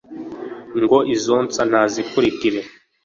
ngo izonsa ntazikurikire